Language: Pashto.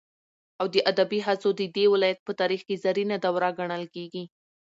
او د ادبي هڅو ددې ولايت په تاريخ كې زرينه دوره گڼل كېږي.